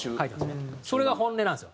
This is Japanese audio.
それが本音なんですよ。